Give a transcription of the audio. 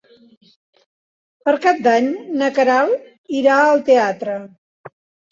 Per Cap d'Any na Queralt irà al teatre.